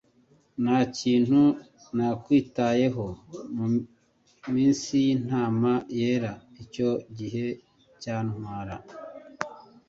Ntakintu nakwitayeho, muminsi yintama yera, icyo gihe cyantwara